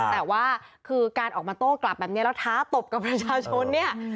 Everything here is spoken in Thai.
แต่ว่าคือการออกมาโต้กลับแบบนี้แล้วท้าตบกับประชาชนเนี่ย